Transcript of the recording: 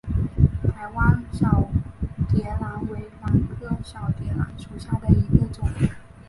台湾小蝶兰为兰科小蝶兰属下的一个种。